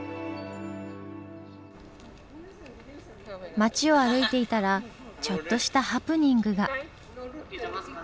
街を歩いていたらちょっとしたハプニングが。